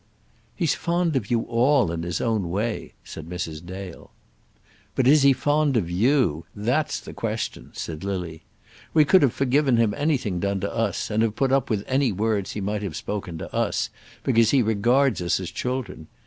"He's fond of you all, in his own way," said Mrs. Dale. "But is he fond of you? that's the question," said Lily. "We could have forgiven him anything done to us, and have put up with any words he might have spoken to us, because he regards us as children.